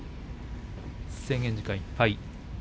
制限時間いっぱい。